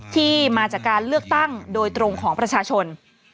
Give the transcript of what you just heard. ที่มาจากการเลือกตั้งโดยตรงของประชาชน